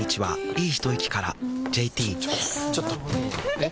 えっ⁉